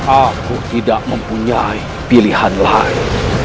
aku tidak mempunyai pilihan lain